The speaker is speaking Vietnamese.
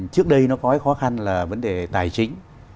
trước đây nó có cái khó khăn là vấn đề tài chính